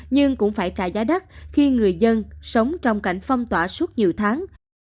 nhưng cũng phải trả giá đắt khi người dân sống trong cảnh phong tỏa suốt nhiều tháng